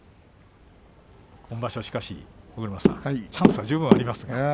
今場所はしかし、尾車さんチャンスは十分ありますね。